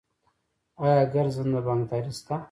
آیا ګرځنده بانکداري شته؟